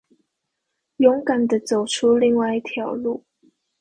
勇敢地走出另外一條路